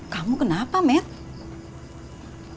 kamu ngelamun terus